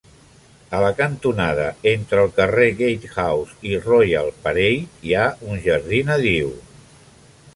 A la cantonada entre el carrer Gatehouse i Royal Parade hi ha un jardí nadiu.